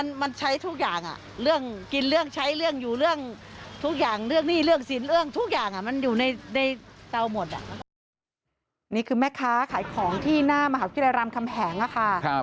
นี่คือแม่ค้าขายของที่หน้ามหาวิทยาลัยรามคำแหงค่ะ